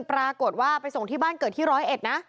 ปรากฏว่าไปส่งที่บ้านเกิดที่ร้อยเอ็ดนะ